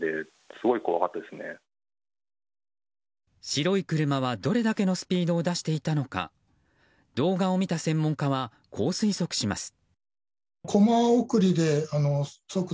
白い車はどれだけのスピードを出していたのか動画を見た専門家はこう推測します。